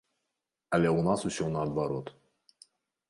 Але ў нас усё наадварот.